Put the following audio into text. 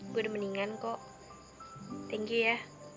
gue udah mendingan kok thank you ya